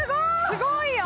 すごいよ！